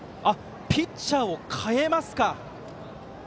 ピッチャーを代えますか。